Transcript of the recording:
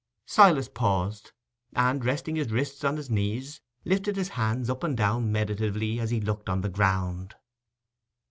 Silas paused, and, resting his wrists on his knees, lifted his hands up and down meditatively as he looked on the ground.